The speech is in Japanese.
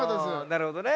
なるほどね。